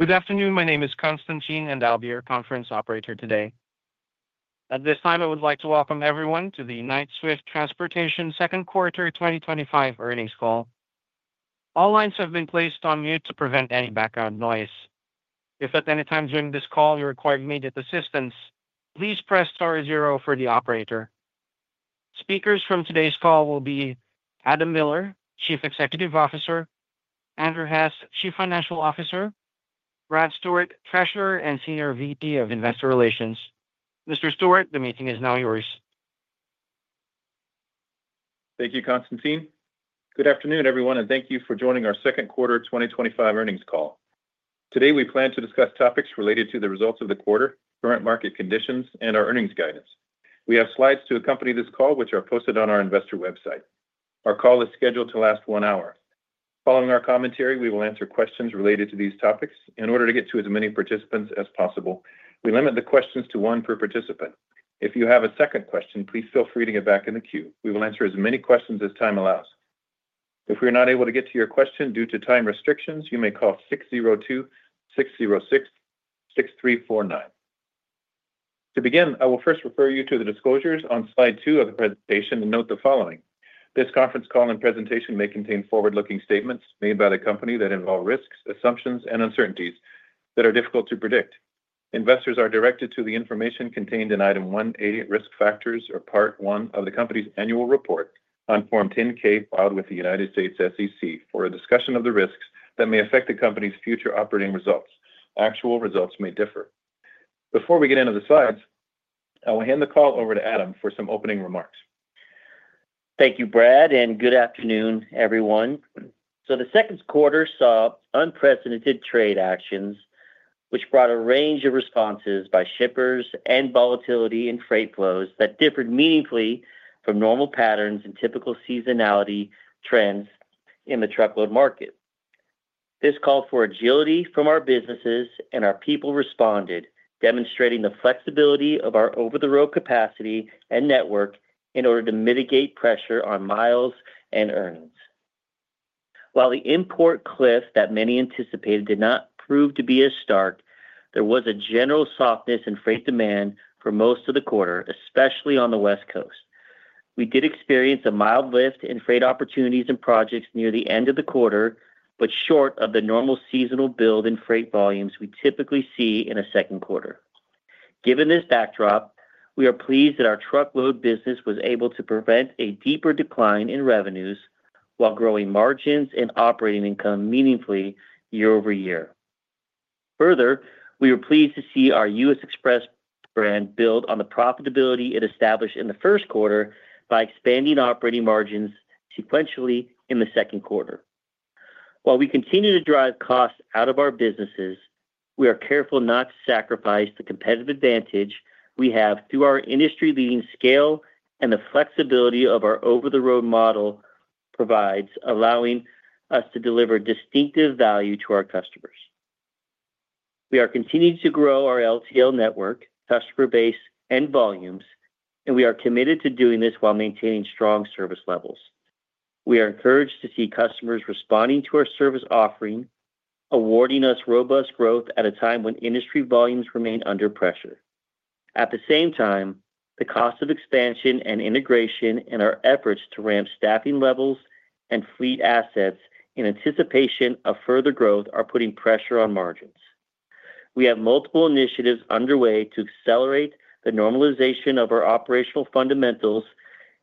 Good afternoon, my name is Konstantin and I'll be your conference operator today. At this time I would like to welcome everyone to the Knight-Swift Transportation Holdings Inc. second quarter 2025 earnings call. All lines have been placed on mute to prevent any background noise. If at any time during this call you require immediate assistance, please press *0 for the operator. Speakers from today's call will be Adam Miller, Chief Executive Officer, Andrew Hess, Chief Financial Officer, and Brad Stewart, Treasurer and Senior Vice President of Investor Relations. Mr. Stewart, the meeting is now yours. Thank you, Constantine. Good afternoon everyone and thank you for joining our second quarter 2025 earnings call. Today we plan to discuss topics related to the results of the quarter, current market conditions, and our earnings guidance. We have slides to accompany this call, which are posted on our investor website. Our call is scheduled to last one hour. Following our commentary, we will answer questions related to these topics in order to get to as many participants as possible. We limit the questions to one per participant. If you have a second question, please feel free to get back in the queue. We will answer as many questions as time allows. If we are not able to get to your question due to time restrictions, you may call 602-606-6349 to begin. I will first refer you to the disclosures on slide 2 of the presentation and note the following: this conference call and presentation may contain forward-looking statements made by the company that involve risks, assumptions, and uncertainties that are difficult to predict. Investors are directed to the information contained in Item 1A, Risk Factors, of Part 1 of the Company's Annual Report on Form 10-K filed with the U.S. SEC for a discussion of the risks that may affect the company's future operating results. Actual results may differ. Before we get into the slides, I will hand the call over to Adam for some opening remarks. Thank you, Brad, and good afternoon, everyone. The second quarter saw unprecedented trade actions, which brought a range of responses by shippers and volatility in freight flows that differed meaningfully from normal patterns and typical seasonality trends in the truckload market. This called for agility from our businesses, and our people responded, demonstrating the flexibility of our over-the-road capacity and network in order to mitigate pressure on miles and earnings. While the import cliff that many anticipated did not prove to be as stark, there was a general softness in freight demand for most of the quarter, especially on the West Coast. We did experience a mild lift in freight opportunities and projects near the end of the quarter, but short of the normal seasonal build in freight volumes we typically see in a second quarter. Given this backdrop, we are pleased that our truckload business was able to prevent a deeper decline in revenues while growing margins and operating income meaningfully year over year. Further, we were pleased to see our U.S. Xpress brand build on the profitability it established in the first quarter by expanding operating margins sequentially in the second quarter. While we continue to drive costs out of our businesses, we are careful not to sacrifice the competitive advantage we have through our industry-leading scale and the flexibility our over-the-road model provides, allowing us to deliver distinctive value to our customers. We are continuing to grow our Less-Than-Truckload (LTL) network, customer base, and volumes, and we are committed to doing this while maintaining strong service levels. We are encouraged to see customers responding to our service offering, awarding us robust growth at a time when industry volumes remain under pressure. At the same time, the cost of expansion and integration and our efforts to ramp staffing levels and fleet assets in anticipation of further growth are putting pressure on margins. We have multiple initiatives underway to accelerate the normalization of our operational fundamentals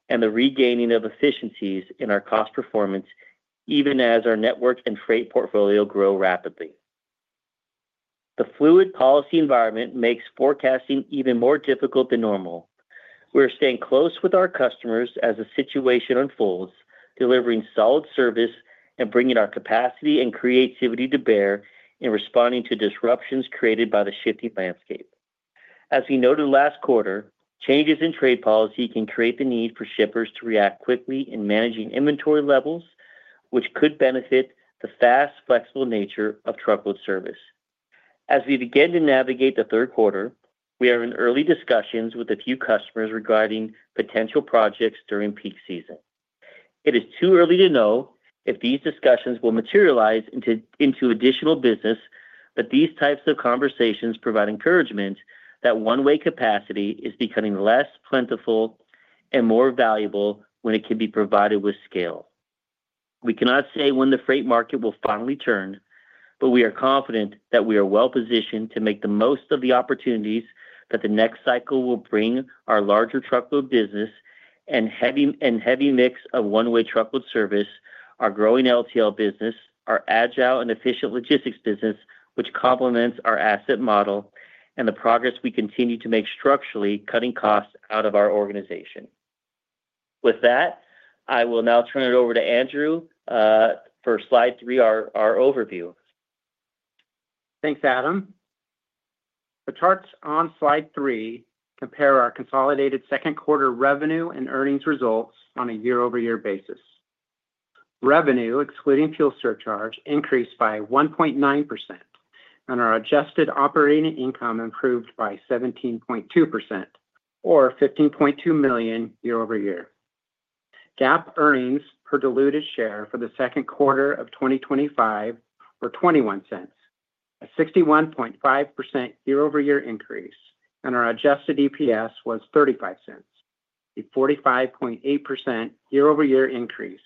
and the regaining of efficiencies in our cost performance. Even as our network and freight portfolio grow rapidly, the fluid policy environment makes forecasting even more difficult than normal. We're staying close with our customers as the situation unfolds, delivering solid service and bringing our capacity and creativity to bear in responding to disruptions created by the shifting landscape. As we noted last quarter, changes in trade policy can create the need for shippers to react quickly in managing inventory levels, which could benefit the fast, flexible nature of truckload service. As we begin to navigate the third quarter, we are in early discussions with a few customers regarding potential projects during peak season. It is too early to know if these discussions will materialize into additional business, but these types of conversations provide encouragement that one way capacity is becoming less plentiful and more valuable when it can be provided with scale. We cannot say when the freight market will finally turn, but we are confident that we are well positioned to make the most of the opportunities that the next cycle will bring. Our larger truckload business and heavy mix of one way truckload service, our growing Less-Than-Truckload (LTL) business, our agile and efficient logistics business, which complements our asset model, and the progress we continue to make structurally cutting costs out of our organization. With that, I will now turn it over to Andrew for slide 3, our overview. Thanks, Adam. The charts on slide 3 compare our consolidated second quarter revenue and earnings results on a year-over-year basis. Revenue excluding fuel surcharge increased by 1.9%, and our adjusted operating income improved by 17.2% or $15.2 million year-over-year. GAAP earnings per diluted share for the second quarter of 2025 were $0.21, a 61.5% year-over-year increase, and our adjusted EPS was $0.35, a 45.8% year-over-year increase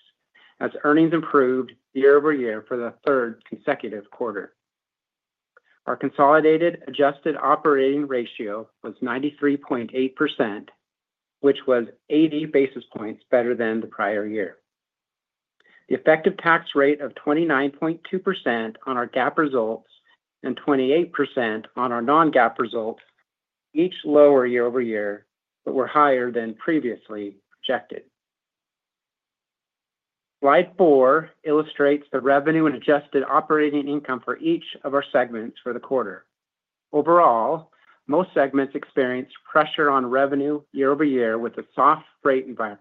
as earnings improved year-over-year. For the third consecutive quarter, our consolidated adjusted operating ratio was 93.8%, which was 80 basis points better than the prior year. The effective tax rate of 29.2% on our GAAP results and 28% on our non-GAAP results each lower year-over-year but were higher than previously projected. Slide 4 illustrates the revenue and adjusted operating income for each of our segments for the quarter. Overall, most segments experienced pressure on revenue year-over-year with a soft freight environment,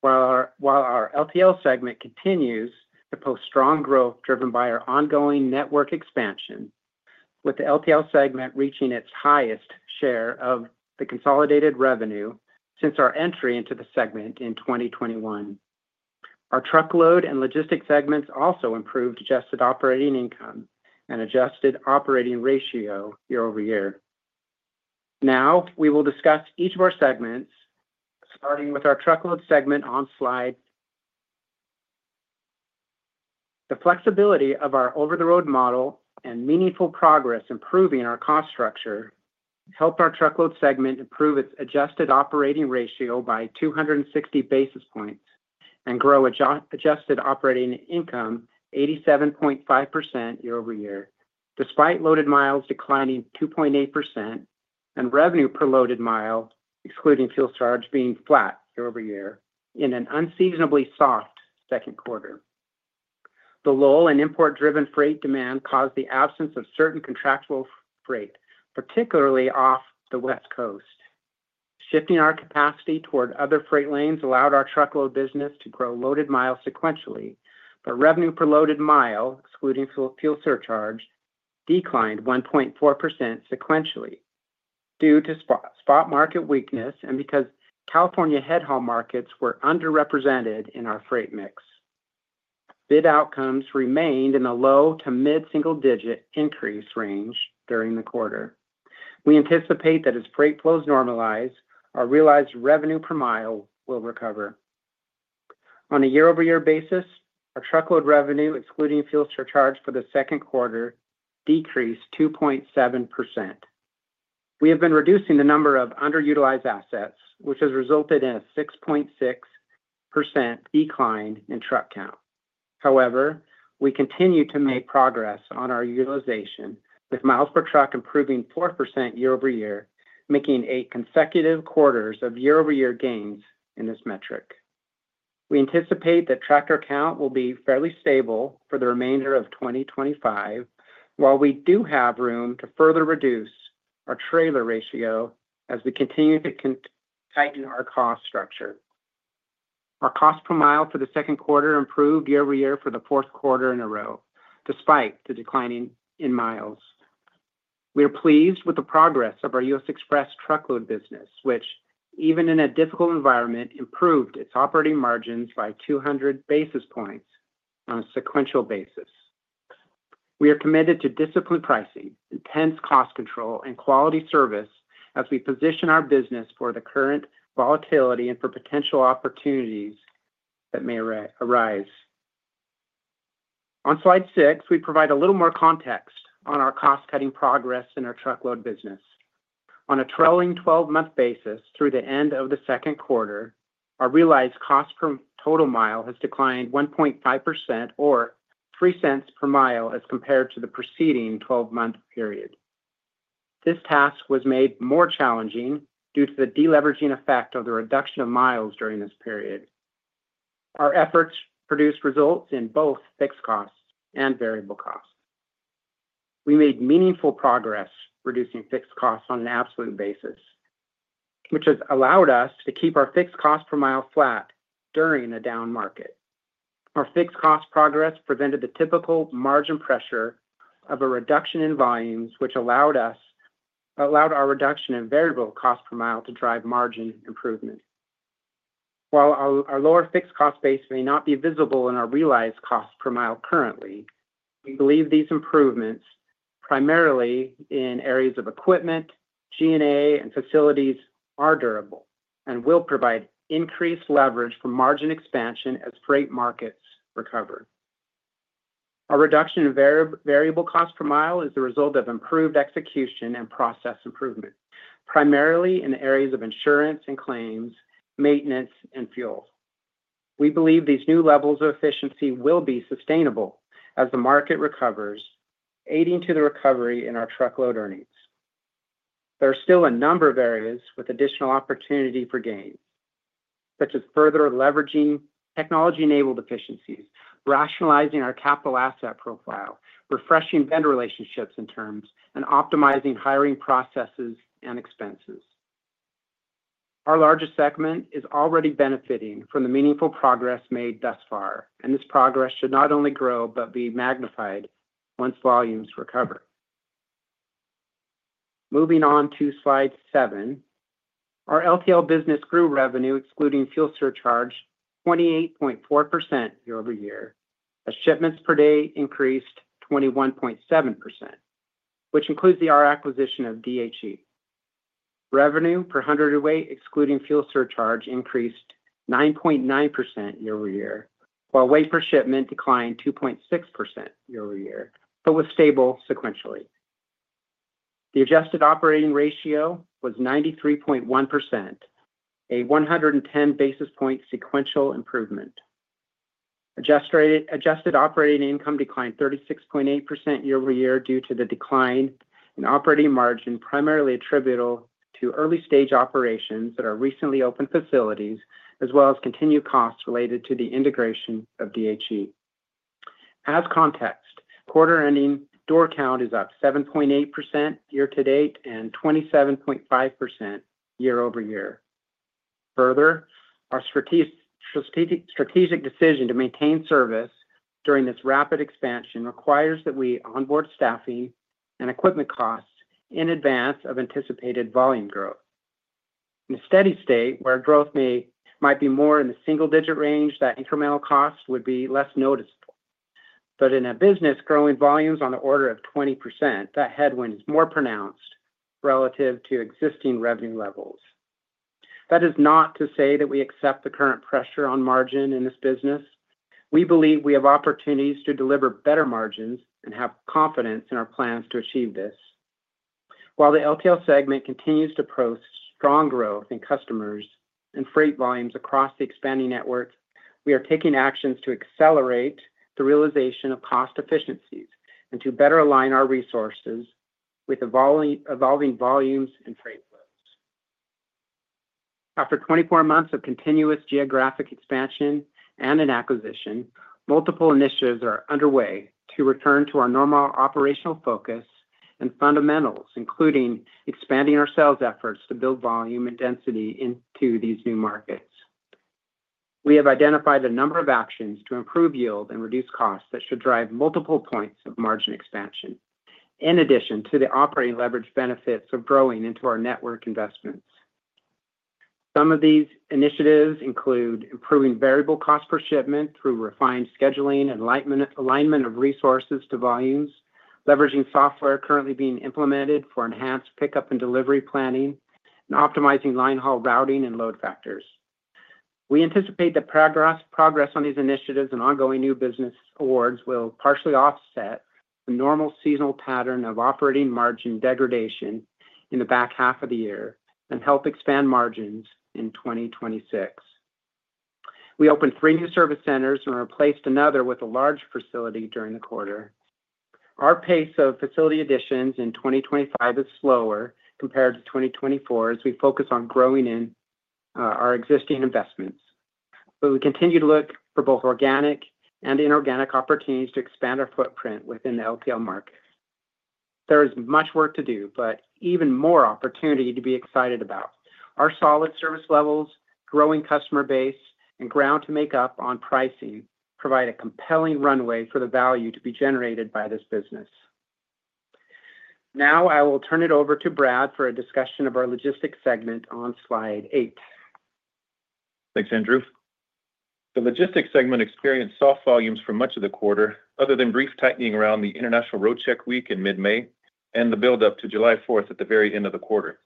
while our Less-Than-Truckload (LTL) segment continues to post strong growth driven by our ongoing network expansion, with the LTL segment reaching its highest share of the consolidated revenue since our entry into the segment in 2021. Our truckload and logistics segments also improved adjusted operating income and adjusted operating ratio year-over-year. Now we will discuss each of our segments, starting with our truckload segment on slide. The flexibility of our over-the-road model and meaningful progress improving our cost structure helped our truckload segment improve its adjusted operating ratio by 260 basis points and grow adjusted operating income 87.5% year-over-year. Despite loaded miles declining 2.8% and revenue per loaded mile excluding fuel surcharge being flat year-over-year in an unseasonably soft second quarter, the lull in import-driven freight demand caused the absence of certain contractual freight, particularly off the West Coast. Shifting our capacity toward other freight lanes allowed our truckload business to grow loaded miles sequentially, but revenue per loaded mile excluding fuel surcharge declined 1.4% sequentially due to spot market weakness and because California headhaul markets were underrepresented in our freight mix. Bid outcomes remained in the low to mid-single-digit increase range during the quarter. We anticipate that as freight flows normalize, our realized revenue per mile will recover on a year-over-year basis. Our truckload revenue excluding fuel surcharge for the second quarter decreased 2.7%. We have been reducing the number of underutilized assets, which has resulted in a 6.6% decline in truck count. However, we continue to make progress on our utilization, with miles per truck improving 4% year over year, making eight consecutive quarters of year over year gains in this metric. We anticipate that tractor count will be fairly stable for the remainder of 2025, while we do have room to further reduce our trailer ratio. As we continue to tighten our cost structure, our cost per mile for the second quarter improved year over year. For the fourth quarter in a row, despite the decline in miles, we are pleased with the progress of our U.S. Xpress truckload business, which even in a difficult environment, improved its operating margins by 200 basis points on a sequential basis. We are committed to disciplined pricing, intense cost control, and quality service as we position our business for the current volatility and for potential opportunities that may arise. On slide 6, we provide a little more context on our cost cutting progress in our truckload business. On a trailing twelve month basis through the end of the second quarter, our realized cost per total mile has declined 1.5% or $0.03 per mile as compared to the preceding twelve month period. This task was made more challenging due to the deleveraging effect of the reduction of miles. During this period, our efforts produced results in both fixed costs and variable costs. We made meaningful progress reducing fixed costs on an absolute basis, which has allowed us to keep our fixed cost per mile flat during a down market. Our fixed cost progress prevented the typical margin pressure of a reduction in volumes, which allowed our reduction in variable cost per mile to drive margin improvement. While our lower fixed cost base may not be visible in our realized cost per mile currently, we believe these improvements, primarily in areas of equipment, G&A, and facilities, are durable and will provide increased leverage for margin expansion as freight markets recover. A reduction in variable cost per mile is the result of improved execution and process improvement, primarily in the areas of insurance and claims, maintenance, and fuel. We believe these new levels of efficiency will be sustainable as the market recovers, aiding to the recovery in our truckload earnings. There are still a number of areas with additional opportunity for gains, such as further leveraging technology-enabled efficiencies, rationalizing our capital asset profile, refreshing vendor relationships and terms, and optimizing hiring processes and expenses. Our largest segment is already benefiting from the meaningful progress made thus far, and this progress should not only grow, but be magnified once volumes recover. Moving to slide 7, our Less-Than-Truckload (LTL) business grew revenue excluding fuel surcharge 28.4% year over year as shipments per day increased 21.7%, which includes the acquisition of DHE. Revenue per 100 weight excluding fuel surcharge increased 9.9% year over year, while weight per shipment declined 2.6% year over year but was stable sequentially. The adjusted operating ratio was 93.1%, a 110 basis point sequential improvement. Adjusted operating income declined 36.8% year over year due to the decline in operating margin, primarily attributable to early stage operations at recently opened facilities as well as continued costs related to the integration of DHE. As context, quarter ending door count is up 7.8% year to date and 27.5% year over year. Further, our strategic decision to maintain service during this rapid expansion requires that we onboard staffing and equipment costs in advance of anticipated volume growth. In a steady state where growth might be more in the single digit range, that incremental cost would be less noticeable, but in a business growing volumes on the order of 20%, that headwind is more pronounced relative to existing revenue levels. That is not to say that we accept the current pressure on margin in this business. We believe we have opportunities to deliver better margins and have confidence in our plans to achieve this. While the LTL segment continues to post strong growth in customers and freight volumes across the expanding network, we are taking actions to accelerate the realization of cost efficiencies and to better align our resources with evolving volumes and freight flows. After 24 months of continuous geographic expansion and an acquisition, multiple initiatives are underway to return to our normal operational focus and fundamentals, including expanding our sales efforts to build volume and density into these new markets. We have identified a number of actions to improve yield and reduce costs that should drive multiple points of margin expansion. In addition to the operating leverage benefits of growing into our network investments, some of these initiatives include improving variable cost per shipment through refined scheduling and alignment of resources to volumes, leveraging software currently being implemented for enhanced pickup and delivery planning, and optimizing line haul routing and load factors. We anticipate that progress on these initiatives and ongoing new business awards will partially offset the normal seasonal pattern of operating margin degradation in the back half of the year and help expand margins in 2026. We opened three new service centers and replaced another with a large facility during the quarter. Our pace of facility additions in 2025 is slower compared to 2024 as we focus on growing in our existing investments, but we continue to look for both organic and inorganic opportunities to expand our footprint within the LTL market. There is much work to do, but even more opportunity to be excited about our solid service levels. Growing customer base and ground to make up on pricing provide a compelling runway for the value to be generated by this business. Now I will turn it over to Brad for a discussion of our logistics segment on slide 8. Thanks, Andrew. The logistics segment experienced soft volumes for much of the quarter, other than brief tightening around the International Road Check Week in mid-May and the buildup to July 4th. At the very end of the quarter,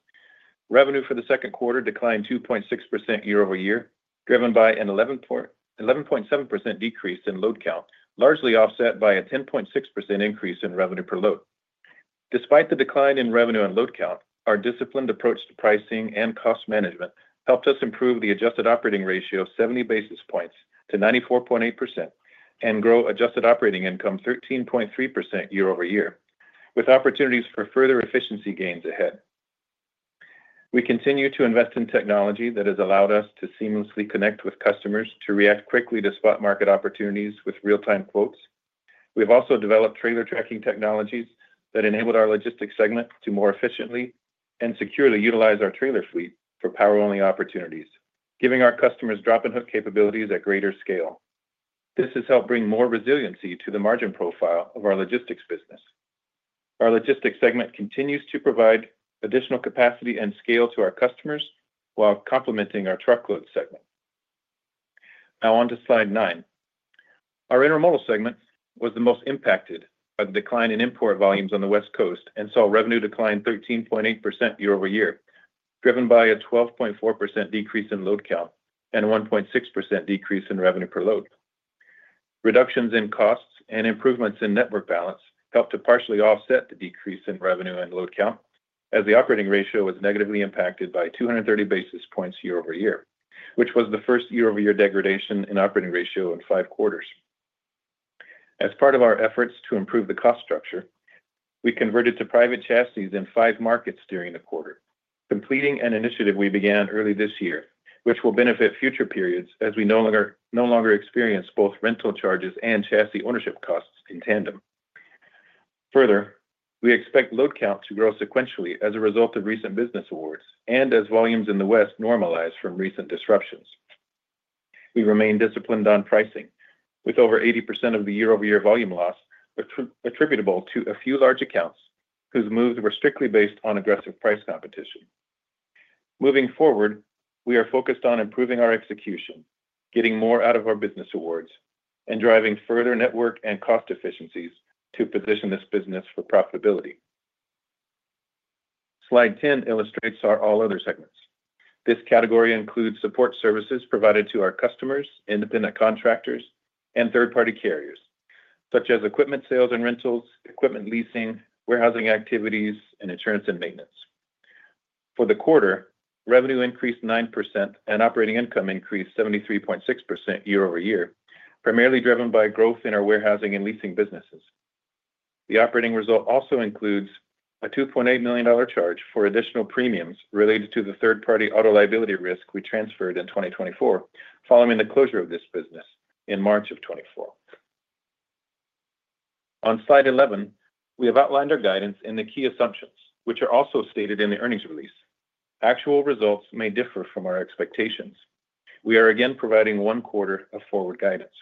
revenue for the second quarter declined 2.6% year over year, driven by an 11.7% decrease in load count, largely offset by a 10.6% increase in revenue per load. Despite the decline in revenue and load count, our disciplined approach to pricing and cost management helped us improve the adjusted operating ratio 70 basis points to 94.8% and grow adjusted operating income 13.3% year over year. With opportunities for further efficiency gains ahead, we continue to invest in technology that has allowed us to seamlessly connect with customers to react quickly to spot market opportunities with real-time quotes. We've also developed trailer tracking technologies that enabled our logistics segment to more efficiently and securely utilize our trailer fleet for power only opportunities, giving our customers drop and hook capabilities at greater scale. This has helped bring more resiliency to the margin profile of our logistics business. Our logistics segment continues to provide additional capacity and scale to our customers while complementing our truckload segment. Now, on to slide 9. Our intermodal segment was the most impacted by the decline in import volumes on the West Coast and saw revenue decline 13.8% year over year, driven by a 12.4% decrease in load count and 1.6% decrease in revenue per load. Reductions in costs and improvements in network balance helped to partially offset the decrease in revenue and load count as the operating ratio was negatively impacted by 230 basis points year over year, which was the first year over year degradation in operating ratio in five quarters. As part of our efforts to improve the cost structure, we converted to private chassis in five markets during the quarter, completing an initiative we began early this year which will benefit future periods as we no longer experience both rental charges and chassis ownership costs in tandem. Further, we expect load count to grow sequentially as a result of recent business awards and as volumes in the West normalize from recent disruptions. We remain disciplined on pricing with over 80% of the year over year volume loss attributable to a few large accounts whose moves were strictly based on aggressive price competition. Moving forward, we are focused on improving our execution, getting more out of our business awards, and driving further network and cost efficiencies to position this business for profitability. Slide 10 illustrates our all other segments. This category includes support services provided to our customers, independent contractors, and third party carriers such as equipment sales and rentals, equipment leasing, warehousing activities, and insurance and maintenance. For the quarter, revenue increased 9% and operating income increased 73.6% year over year, primarily driven by growth in our warehousing and leasing businesses. The operating result also includes a $2.8 million charge for additional premiums related to the third party auto liability risk we transferred in 2024 following the closure of this business in March 2024. On Slide 11, we have outlined our guidance and the key assumptions which are also stated in the earnings release. Actual results may differ from our expectations. We are again providing one quarter of forward guidance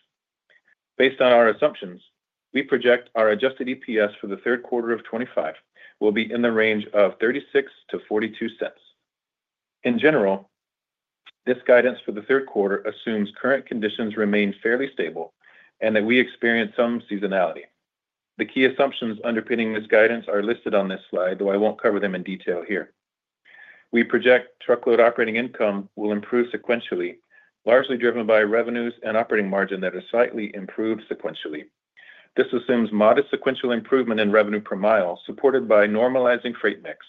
based on our assumptions. We project our adjusted EPS for 3Q25 will be in the range of $0.36-$0.42. In general, this guidance for the third quarter assumes current conditions remain fairly stable and that we experience some seasonality. The key assumptions underpinning this guidance are listed on this slide, though I won't cover them in detail. Here we project truckload operating income will improve sequentially, largely driven by revenues and operating margin that are slightly improved sequentially. This assumes modest sequential improvement in revenue per mile supported by normalizing freight mix,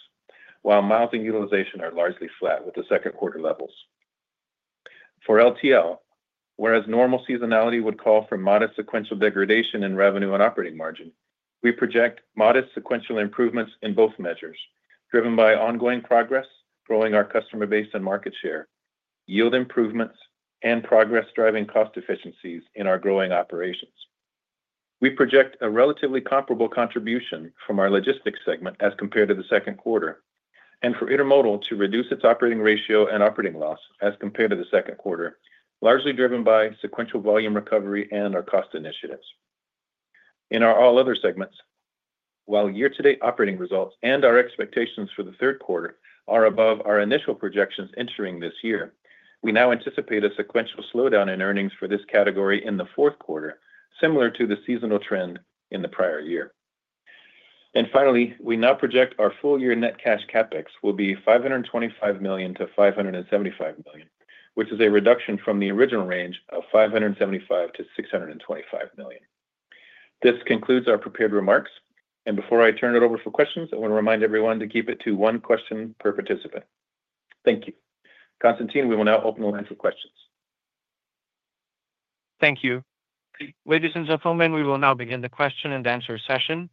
while miles and utilization are largely flat with the second quarter levels. For Less-Than-Truckload (LTL), whereas normal seasonality would call for modest sequential degradation in revenue and operating margin, we project modest sequential improvements in both measures driven by ongoing progress growing our customer base and market share, yield improvements, and progress driving cost efficiencies in our growing operations. We project a relatively comparable contribution from our logistics segment as compared to the second quarter and for intermodal to reduce its operating ratio and operating loss as compared to the second quarter, largely driven by sequential volume recovery and our cost initiatives in our all other segments. While year to date operating results and our expectations for the third quarter are above our initial projections entering this year, we now anticipate a sequential slowdown in earnings for this category in the fourth quarter, similar to the seasonal trend in the prior year. Finally, we now project our full year net cash CapEx will be $525 million-$575 million, which is a reduction from the original range of $575 million-$625 million. This concludes our prepared remarks, and before I turn it over for questions, I want to remind everyone to keep it to one question per participant. Thank you, Constantine. We will now open the line for questions. Thank you, ladies and gentlemen. We will now begin the question and answer session.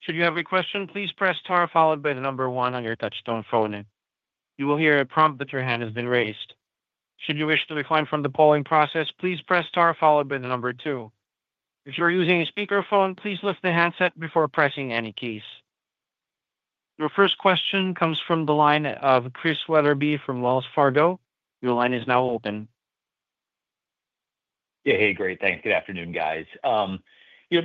Should you have a question, please press star followed by the number one on your touch-tone phone. You will hear a prompt that your hand has been raised. Should you wish to decline from the polling process, please press star followed by the number two. If you're using a speakerphone, please lift the handset before pressing any keys. Your first question comes from the line of Chris Wetherbee from Wells Fargo Securities. Your line is now open. Hey, great, thanks. Good afternoon, guys.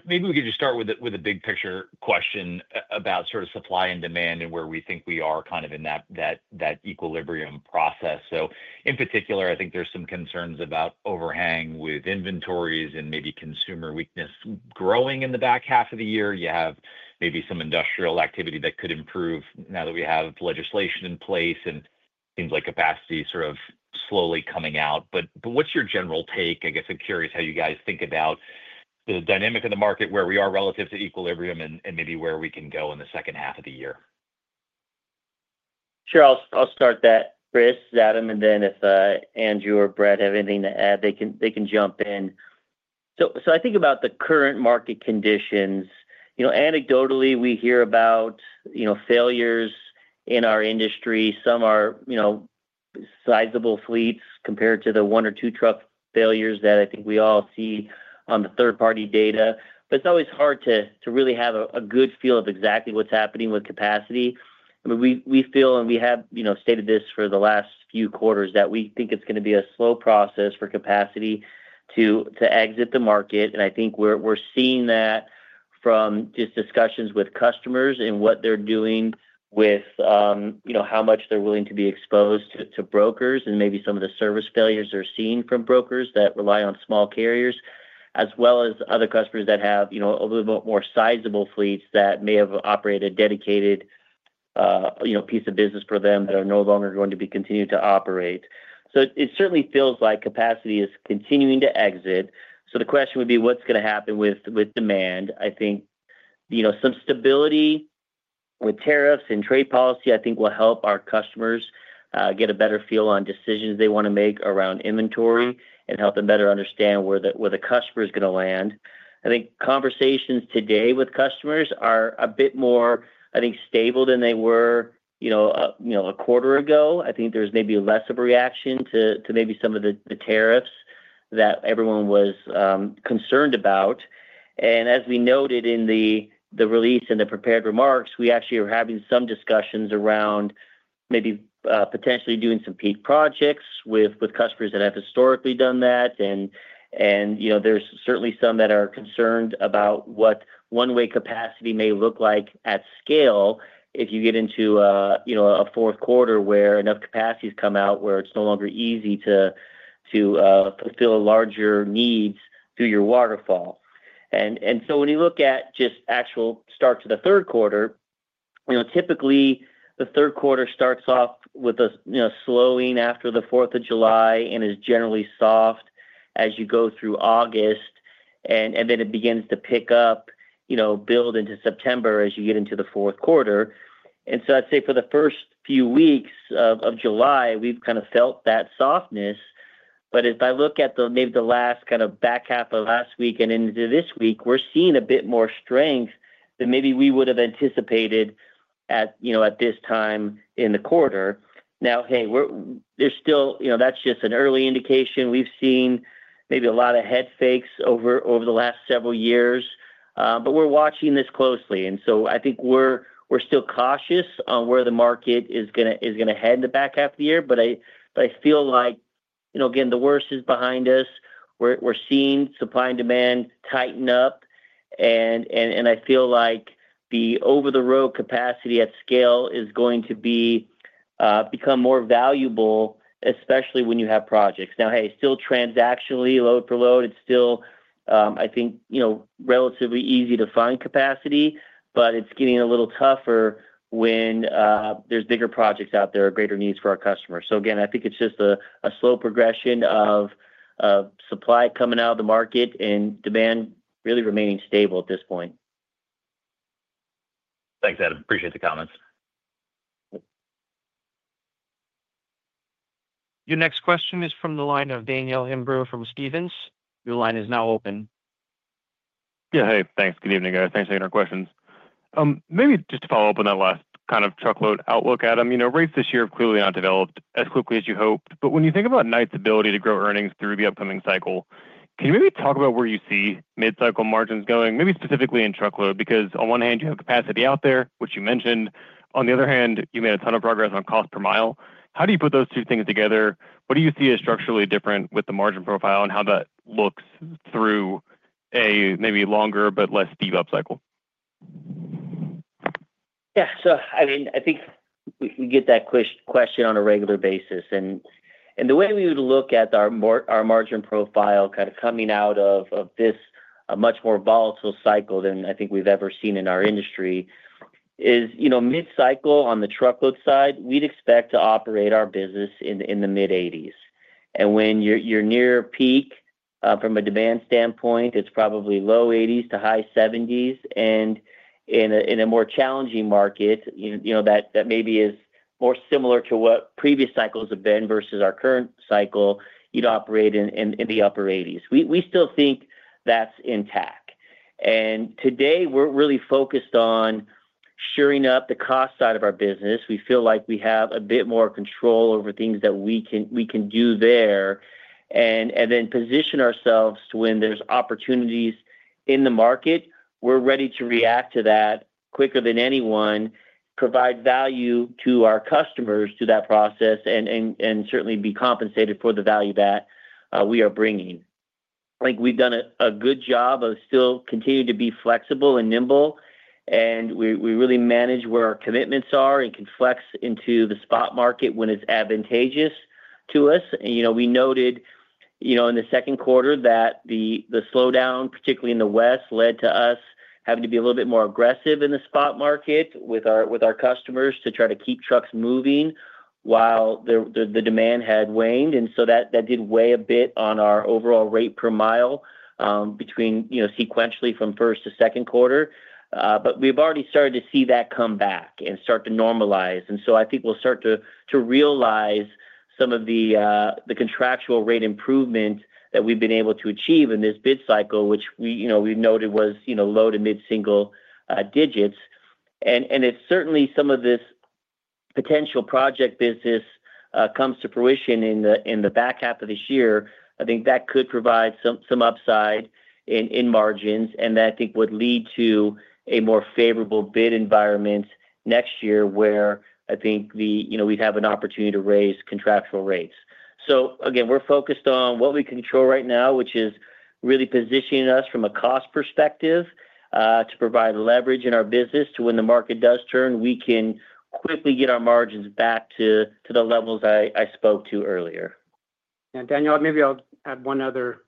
Maybe we could just start. With a big picture question about sort. Of supply and demand and where we. Think we are kind of in that. That equilibrium process. In particular, I think there's some. Concerns about overhang with inventories and maybe consumer weakness growing in the back half of the year. You have maybe some industrial activity that could improve now that we have legislation in place, and it seems like capacity sort. What's your general take? I'm curious how you guys. Think about the dynamic of the market. Where we are relative to equilibrium, and maybe where we can go in the second half of the year. Sure, I'll start that. Chris, Adam. If Andrew or Brad have anything to add, they can jump in. I think about the current market conditions. Anecdotally, we hear about failures, and in our industry, some are sizable fleets compared to the one or two truck failures that I think we all see on the third-party data. It's always hard to really have a good feel of exactly what's happening with capacity. We feel, and we have stated this for the last few quarters, that we think it's going to be a slow process for capacity to exit the market. I think we're seeing that from just discussions with customers and what they're doing with how much they're willing to be exposed to brokers and maybe some of the service failures are seen from brokers that rely on small carriers, as well as other customers that have a little bit more sizable fleets that may have operated dedicated piece of business for them that are no longer going to be continued to operate. It certainly feels like capacity is continuing to exit. The question would be what's going to happen with demand? I think some stability with tariffs and trade policy will help our customers get a better feel on decisions they want to make around inventory and help them better understand where the customer is going to land. I think conversations today with customers are a bit more stable than they were a quarter ago. I think there's maybe less of a reaction to some of the tariffs that everyone was concerned about. As we noted in the release and the prepared remarks, we actually are having some discussions around maybe potentially doing some peak projects with customers that have historically done that, and there's certainly some that are concerned about what one way capacity may look like at scale if you get into a fourth quarter where enough capacity has come out, where it's no longer easy to fulfill larger needs through your waterfall. When you look at just actual start to the third quarter, typically the third quarter starts off with a slowing after the 4th of July and is generally soft as you go through August. It begins to pick up, build into September as you get into the fourth quarter. I'd say for the first few weeks of July we've kind of felt that softness. If I look at maybe the last kind of back half of last week and into this week, we're seeing a bit more strength than maybe we would have anticipated at this time in the quarter. That's just an early indication. We've seen maybe a lot of head fakes over the last several years, but we're watching this closely. I think we're still cautious on where the market is going to head in the back half of the year. I feel like the worst is behind us. We're seeing supply and demand tighten up and I feel like the over the road capacity at scale is going to become more valuable, especially when you have projects. Still, transactionally load for load, it's still, I think, relatively easy to find capacity, but it's getting a little tougher when there's bigger projects out there, greater needs for our customers. I think it's just a slow progression of supply coming out of the market and demand really remaining stable at this point. Thanks, Adam. Appreciate the comments. Your next question is from the line of Daniel Robert Imbro from Stephens Inc. Your line is now open. Yeah. Hey, thanks. Good evening, guys. Thanks for taking our questions. Maybe just to follow up on that. Last kind of truckload outlook, Adam, you. Rates this year have clearly not developed as quickly as you hoped. When you think about Knight-Swift's ability to grow earnings through the upcoming cycle, can you maybe talk about where you see mid cycle margins going, maybe specifically in truckload? Because on one hand, you have capacity. Out there, which you mentioned. On the other hand, you made a. Ton of progress on cost per mile. How do you put those two things together? What do you see as structurally different? With the margin profile and how that works? Looks through a maybe longer but less steep upcycle. Yeah, so I mean I think we get that question on a regular basis, and the way we would look at our margin profile coming out of this much more volatile cycle than I think we've ever seen in our industry is, you know, mid cycle. On the truckload side, we'd expect to operate our business in the mid-80s. When you're near peak from a demand standpoint, it's probably low 80s to high 70s. In a more challenging market that maybe is more similar to what previous cycles have been versus our current cycle, you'd operate in the upper 80s. We still think that's intact. Today we're really focused on shoring up the cost side of our business. We feel like we have a bit more control over things that we can do there and then position ourselves when there's opportunities in the market. We're ready to react to that quicker than anyone, provide value to our customers through that process, and certainly be compensated for the value that we are bringing. Like we've done a good job of, still continue to be flexible and nimble, and we really manage where our commitments are and can flex into the spot market when it's advantageous. We noted in the second quarter that the slowdown, particularly in the West Coast, led to us having to be a little bit more aggressive in the spot market with our customers to try to keep trucks moving while the demand had waned. That did weigh a bit on our overall rate per mile sequentially from first to second quarter. We've already started to see that come back and start to normalize. I think we'll start to realize some of the contractual rate improvement that we've been able to achieve in this bid cycle, which we noted was low to mid single digits. If certainly some of this potential project-based business comes to fruition in the back half of this year, I think that could provide some upside in margins, and I think would lead to a more favorable bid environment next year where I think we'd have an opportunity to raise contractual rates. Again, we're focused on what we control right now, which is really positioning us from a cost perspective to provide leverage in our business to when the market does turn, we can quickly get our margins back to the levels I spoke to earlier and Daniel, maybe I'll. Add one other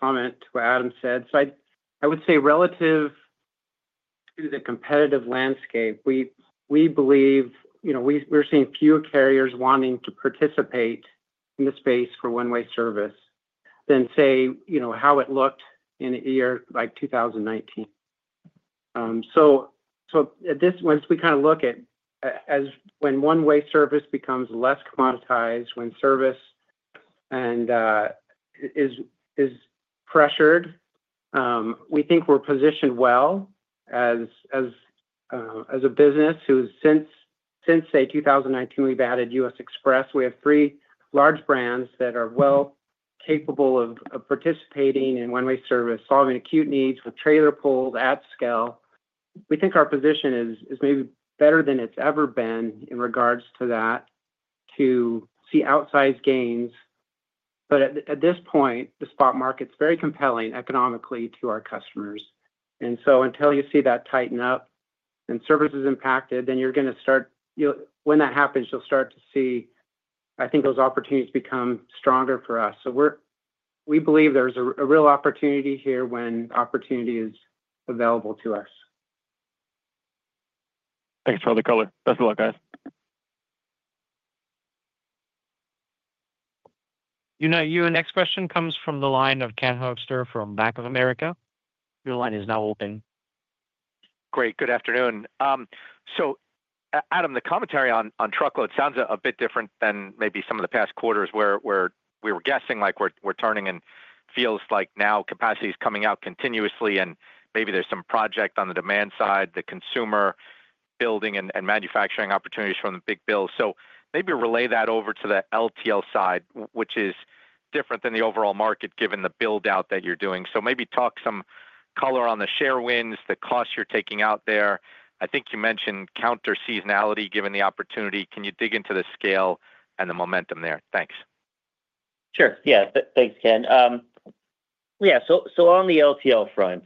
comment to what Adam said. I would say relative to the competitive landscape, we believe we're seeing fewer carriers wanting to participate in the space for one way service than how it looked in a year like 2019. Once we look at when one way service becomes less commoditized, when service is pressured, we think we're positioned well as a business who, since 2019, we've added U.S. Xpress. We have three large brands that are well capable of participating in one way service, solving acute needs with trailer pools at scale. We think our position is maybe better than it's ever been in regards to that, to see outsized gains. At this point, the spot market is very compelling economically to our customers. Until you see that tighten up and service is impacted, when that happens, you'll start to see those opportunities become stronger for us. We believe there's a real opportunity here when opportunity is available to us. Thanks for all the color. Best of luck, guys. Your next question comes from the line of Cat Hubster from BofA Securities. Your line is now open. Great. Good afternoon. Adam, the commentary on Truckload sounds a bit different than maybe some of the past quarters where we were guessing like we're turning, and it feels like now capacity is coming out continuously and maybe there's some project on the demand side, the consumer building and manufacturing opportunities from the big bill. Maybe relay that over to the Less-Than-Truckload (LTL) side, which is different than the overall market given the build out that you're doing. Maybe talk some color on the share wins, the costs you're taking out there. I think you mentioned counter seasonality. Given the opportunity, can you dig into the scale and the momentum there? Thanks. Sure. Yeah. Thanks, Ken. On the Less-Than-Truckload (LTL) front,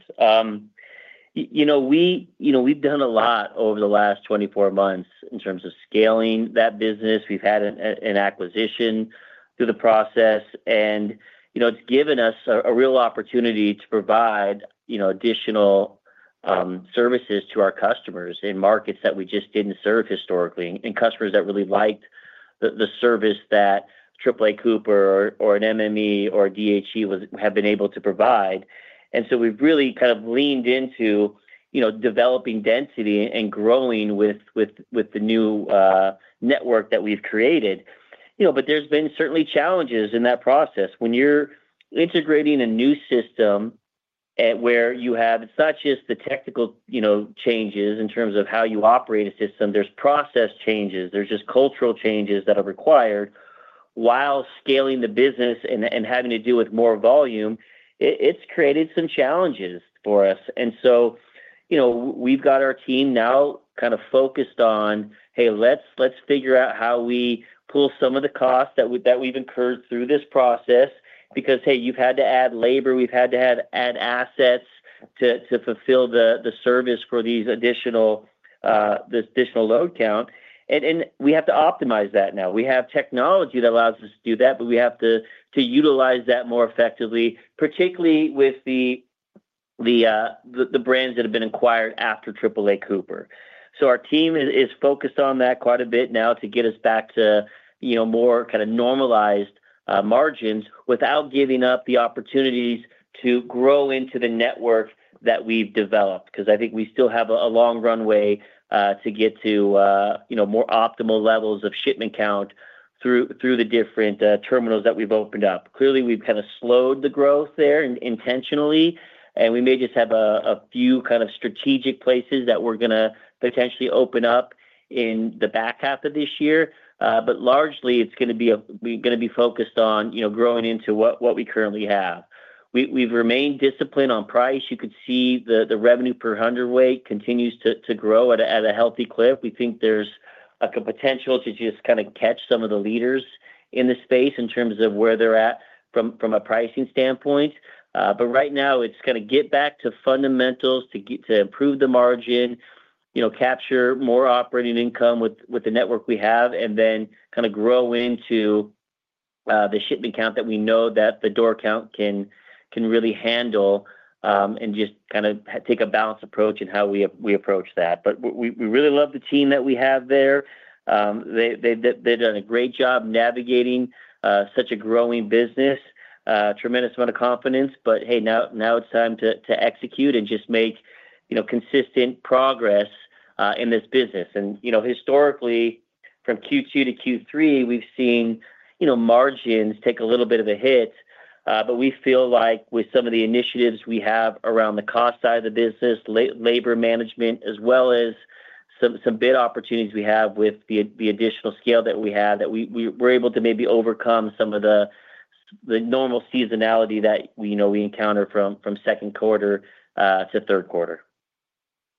we've done a lot over the last 24 months in terms of scaling that business. We've had an acquisition through the process, and it's given us a real opportunity to provide additional services to our customers in markets that we just didn't serve historically and customers that really liked the service that AAA Cooper or an MME or DHE have been able to provide. We've really kind of leaned into developing density and growing with the new network that we've created. There have been certainly challenges in that process. When you're integrating a new system, it's not just the technical changes in terms of how you operate a system. There are process changes, and there are just cultural changes that are required. While scaling the business and having to deal with more volume, it's created some challenges for us. Our team is now kind of focused on, hey, let's figure out how we pull some of the costs that we've incurred through this process because we've had to add labor, we've had to add assets to fulfill the service for this additional load count. We have to optimize that now. We have technology that allows us to do that, but we have to utilize that more effectively, particularly with the brands that have been acquired after AAA Cooper. Our team is focused on that quite a bit now to get us back to more kind of normalized margins without giving up the opportunities to grow into the network that we've developed. I think we still have a long runway to get to more optimal levels of shipment count through the different terminals that we've opened up. Clearly, we've kind of slowed the growth there intentionally. We may just have a few kind of strategic places that we're going to potentially open up in the back half of this year, but largely it's going to be focused on growing into what we currently have. We've remained disciplined on price. You can see the revenue per hundredweight continues to grow at a healthy clip. We think there's a potential to just kind of catch some of the leaders in the space in terms of where they're at from a pricing standpoint. Right now it's kind of get back to fundamentals to improve the margin, capture more operating income with the network we have, and then kind of grow into the shipment count that we know the door count can really handle and just take a balanced approach in how we approach that. We really love the team that we have there. They've done a great job navigating such a growing business. Tremendous amount of confidence. Now it's time to execute and just make consistent progress in this business. Historically, from Q2 to Q3, we've seen margins take a little bit of a hit. We feel like with some of the initiatives we have around the cost side of the business, labor management, as well as some bid opportunities we have with the additional scale that we have, we are able to maybe overcome some of the normal seasonality that we encounter from second quarter to third quarter.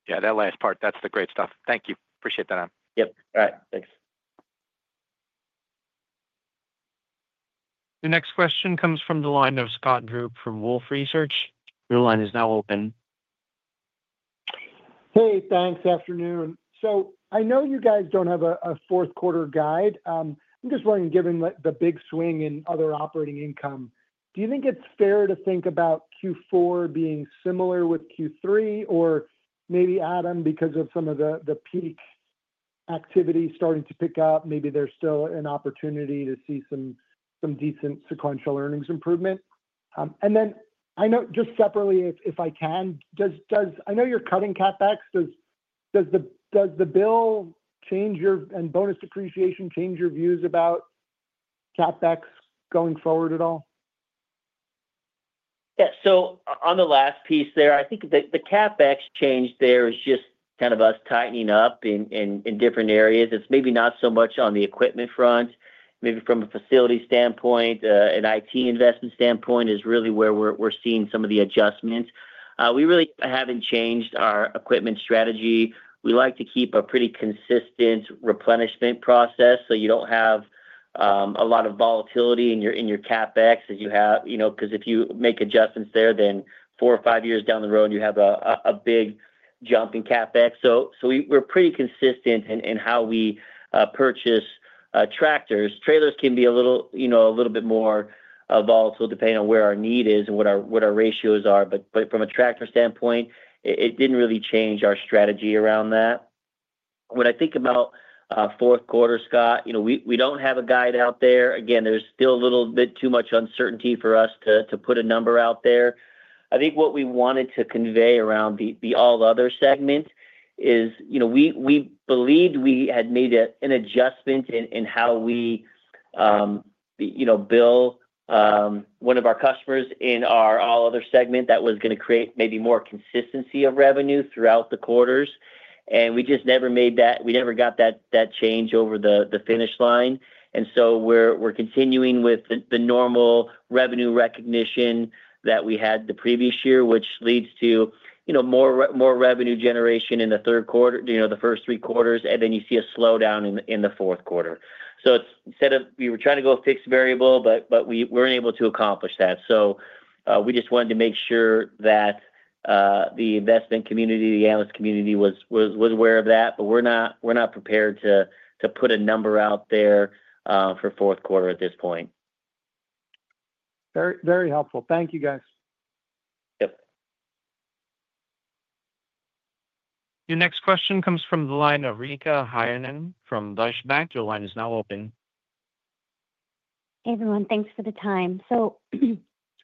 Yeah, that last part, that's the great stuff. Thank you. Appreciate that. All right, thanks. The next question comes from the line of Scott Group from Wolfe Research. Your line is now open. Hey, thanks. Afternoon. I know you guys don't have a fourth quarter guide. I'm just wondering, given the big swing in other operating income, do you think it's fair to think about Q4 being similar with Q3? Or maybe, Adam, because of some of the peak activity starting to pick up, maybe there's still an opportunity to see some decent sequential earnings improvement. I know just separately, if I can, does the bill change your and bonus depreciation change your views about CapEx going forward at all? On the last piece there, I think the CapEx change there is just kind of us tightening up in different areas. It's maybe not so much on the equipment front. Maybe from a facility standpoint, an IT investment standpoint is really where we're seeing some of the adjustments. We really haven't changed our equipment strategy. We like to keep a pretty consistent replenishment process. You don't have a lot of volatility in your CapEx because if you make adjustments there, then four or five years down the road you have a big jump in CapEx. We're pretty consistent in how we purchase tractors. Trailers can be a little bit more volatile depending on where our need is and what our ratios are. From a tractor standpoint, it didn't really change our strategy around that. When I think about fourth quarter, Scott, we don't have a guide out there. Again, there's still a little bit too much uncertainty for us to put a number out there. What we wanted to convey around the all other segments is, we believed we had made an adjustment in how we bill one of our customers in our all other segment that was going to create maybe more consistency of revenue throughout the quarters. We just never made that. We never got that change over the finish line. We're continuing with the normal revenue recognition that we had the previous year, which leads to more revenue generation in the third quarter. Then you see a slowdown in the fourth quarter. We were trying to go fixed variable, but we weren't able to accomplish that. We just wanted to make sure that the investment community, the analyst community was aware of that. We're not prepared to put a number out there for fourth quarter at this point. Very helpful. Thank you, guys. Your next question comes from the line of Richa Heinen from Deutsche Bank. Line is now open. Hey everyone, thanks for the time.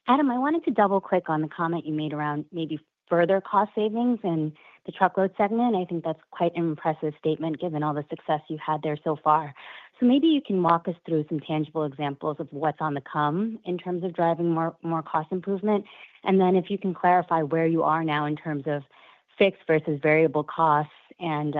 Adam, I wanted to double click on the comment you made around maybe further cost savings in the truckload segment. I think that's quite an impressive statement given all the success you had there so far. Maybe you can walk us through some tangible examples of what's on the come in terms of driving more cost improvement, and then if you can clarify where you are now in terms of fixed versus variable costs. I'm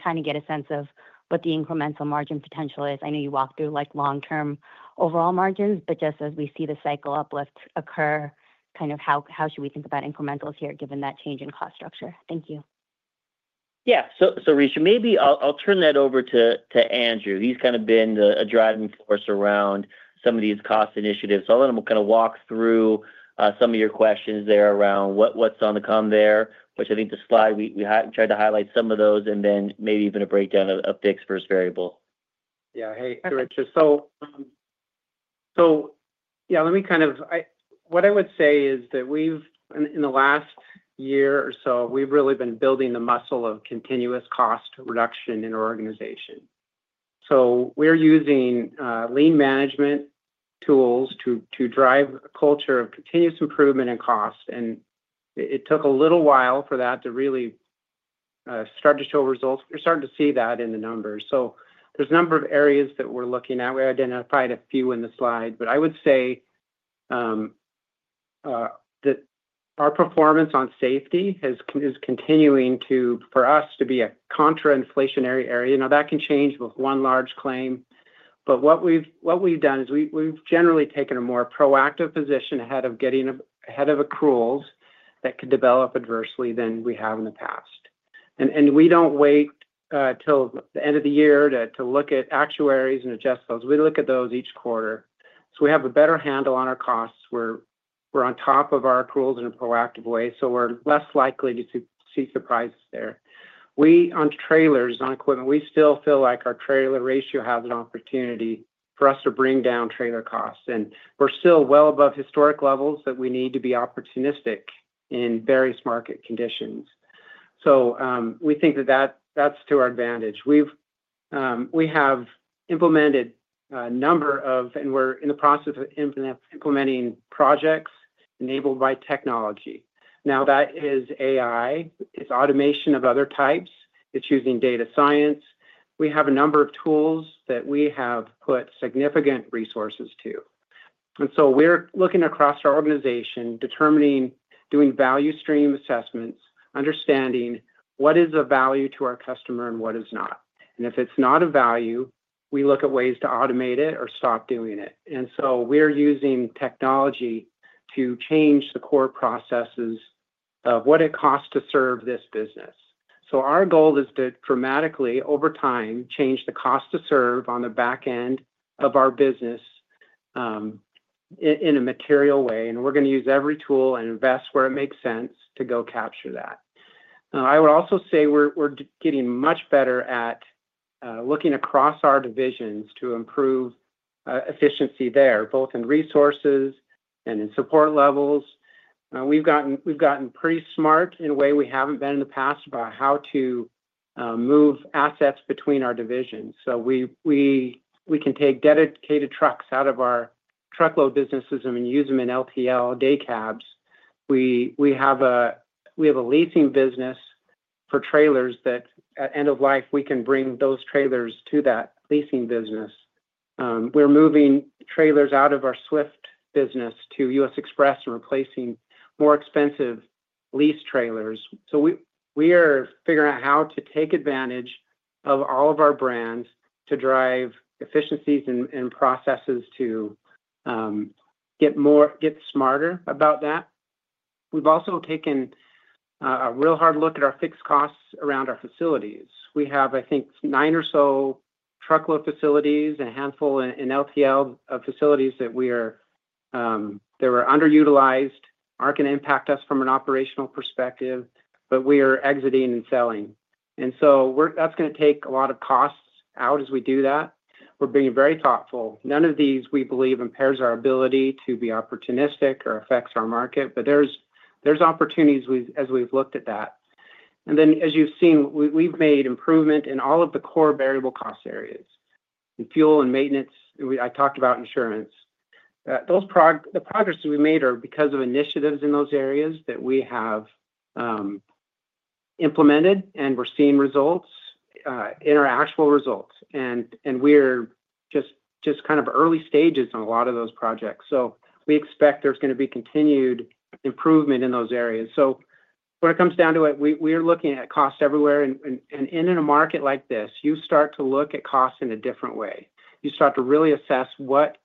trying to get a sense of what the incremental margin potential is. I know you walked through like long term overall margins, but just as we. See the cycle uplift occur. How should we think about incrementals here given that change in cost structure? Thank you. Yeah. Richa, maybe I'll turn that over to Andrew. He's kind of been a driving force around some of these cost initiatives. I'll let him walk through some of your questions there around what's on the come there, which I think the slide, we tried to highlight some of those and then maybe even a breakdown of fixed versus variable. Yeah. Hey Richa, let me kind of what I would say is that we've in the last year or so really been building the muscle of continuous cost reduction in our organization. We're using lean management tools to drive a culture of continuous improvement and cost. It took a little while for that to really start to show results. You're starting to see that in the numbers. There's a number of areas that we're looking at. We identified a few in the slide. I would say. That our performance on safety is continuing to for us to be a contra inflationary area. Now that can change with one large claim. What we've done is we've generally taken a more proactive position ahead of getting ahead of accruals that could develop adversely than we have in the past. We don't wait till the end of the year to look at actuaries and adjust those. We look at those each quarter, so we have a better handle on our costs. We're on top of our accruals in a proactive way, so we're less likely to seek the price there. On trailers, on equipment, we still feel like our trailer ratio has an opportunity for us to bring down trailer costs, and we're still well above historic levels. We need to be opportunistic in various market conditions. We think that that's to our advantage. We have implemented a number of, and we're in the process of implementing, projects enabled by technology now. That is AI, it's automation of other types, it's using data science. We have a number of tools that we have put significant resources to. We're looking across our organization, determining, doing value stream assessments, understanding what is of value to our customer and what is not. If it's not of value, we look at ways to automate it or stop doing it. We're using technology to change the core processes of what it costs to serve this business. Our goal is to dramatically, over time, change the cost to serve on the back end of our business in a material way. We're going to use every tool and invest where it makes sense to go capture that. I would also say we're getting much better at looking across our divisions to improve efficiency there, both in resources and in support levels. We've gotten pretty smart in a way we haven't been in the past about how to move assets between our divisions. We can take dedicated trucks out of our truckload businesses and use them in LTL day cabs. We have a leasing business for trailers that at end of life we can bring those trailers to that leasing business. We're moving trailers out of our Swift business to U.S. Xpress and replacing more expensive lease trailers. We are figuring out how to take advantage of all of our brands to drive efficiencies and processes to get more, get smarter about that. We've also taken a real hard look at our fixed costs around our facilities. We have, I think, nine or so truckload facilities. A handful in Less-Than-Truckload (LTL) facilities that we are, they were underutilized, aren't going to impact us from an operational perspective, but we are exiting and selling. That's going to take a lot of costs out as we do that. We're being very thoughtful. None of these, we believe, impairs our ability to be opportunistic or affects our market. There's opportunities as we've looked at that. As you've seen, we've made improvement in all of the core variable cost areas, fuel and maintenance. I talked about insurance. Those progress we made are because of initiatives in those areas that we have implemented. We're seeing results in our actual results. We're just kind of early stages on a lot of those projects. We expect there's going to be continued improvement in those areas. When it comes down to it, we are looking at cost everywhere. In a market like this, you start to look at costs in a different way. You start to really assess what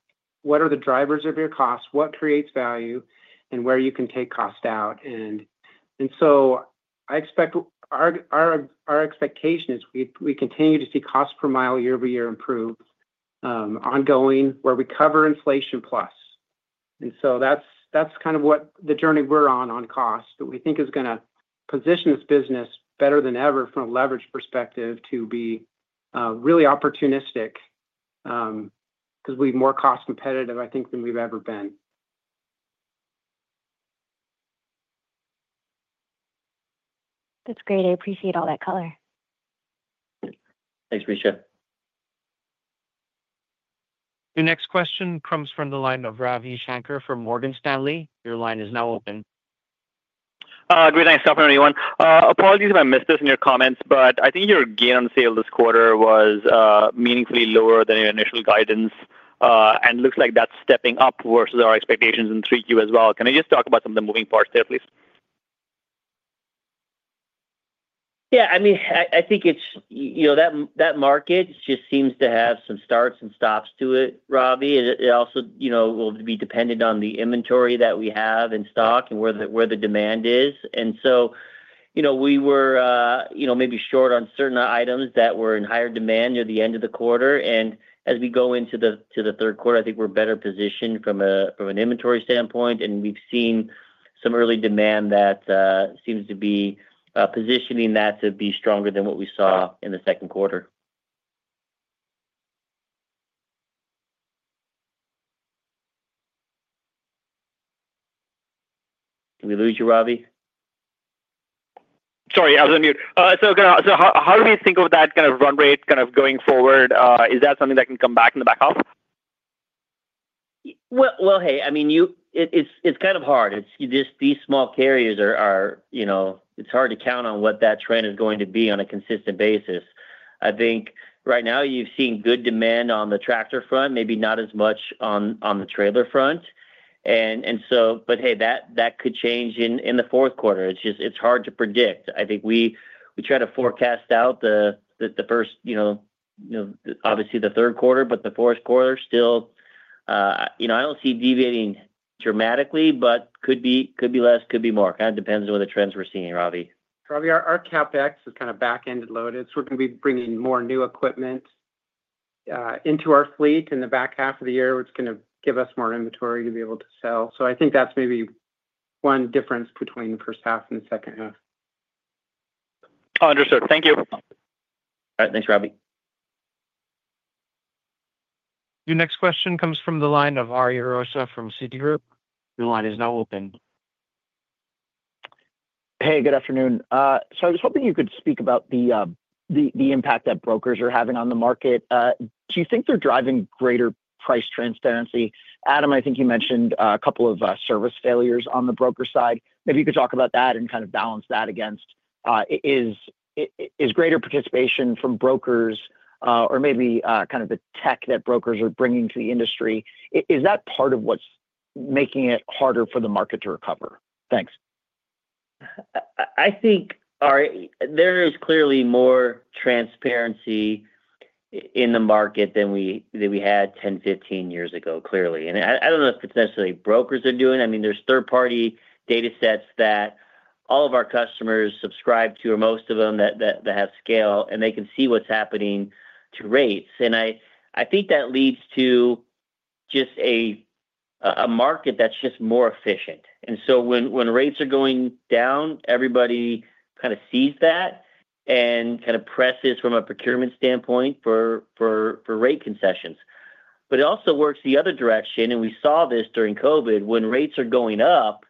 are the drivers of your costs, what creates value and where you can take cost out. I expect our expectation is we continue to see cost per mile, year over year, improve, ongoing, where we cover inflation plus. That's kind of what the journey we're on on cost. We think is going to position this business better than ever from a leverage perspective to be really opportunistic because we're more cost competitive, I think, than we've ever been. That's great. I appreciate all that color. Thanks. Richa. Your next question comes from the line of Ravi Shanker from Morgan Stanley. Your line is now open. Great, thanks. Apologies if I missed this in your comments, but I think your gain on sale this quarter was meaningfully lower than your initial guidance, and it looks like that's stepping up versus our expectations in 3Q as well. Can I just talk about some of. The moving parts there, please? Yeah, I mean, I think it's, you know, that market just seems to have some starts and stops to it, Ravi. It also, you know, will be dependent on the inventory that we have in stock and where the demand is. We were maybe short on certain items that were in higher demand near the end of the quarter. As we go into the third quarter, I think we're better positioned from an inventory standpoint. We've seen some early demand that seems to be positioning that to be stronger than what we saw in the second quarter. Did we lose you, Ravi? Sorry, I was on mute. How do we think of that kind of run rate going forward? Is that something that can come back in the back half? I mean, it's kind of hard. These small carriers are, you know, it's hard to count on what that trend is going to be on a consistent basis. I think right now you've seen good demand on the tractor front, maybe not as much on the trailer front, and that could change in the fourth quarter. It's just, it's hard to predict. I think we try to forecast out the first, you know, obviously the third quarter, but the fourth quarter still, I don't see deviating dramatically, but could be less, could be more. Kind of depends on what the trends we're seeing. Ravi. Ravi. Our capex is kind of back end loaded, so we're going to be bringing more new equipment into our fleet in the back half of the year. It's going to give us more inventory to be able to sell. I think that's maybe one difference between the first half and the second half. Understood, thank you. All right, thanks, Ravi. Your next question comes from the line of Ariel Luis Rosa from Citigroup Inc. The line is now open. Hey, good afternoon. I was hoping you could speak about the impact that brokers are having on the market. Do you think they're driving greater price transparency? Adam, I think you mentioned a couple of service failures on the broker side. Maybe you could talk about that and kind of balance that against is greater participation from brokers or maybe kind of the tech that brokers are bringing to the industry. Is that part of what's making it harder for the market to recover? Thanks. I think there is clearly more transparency in the market than we had 10 years-15 years ago, clearly. I don't know if it's necessarily brokers are doing, I mean there's third party data sets that all of our customers subscribe to or most of them that have scale and they can see what's happening to rates. I think that leads to just a market that's just more efficient. When rates are going down, everybody kind of sees that and presses from a procurement standpoint for rate concessions. It also works the other direction and we saw this during COVID. When rates are going up,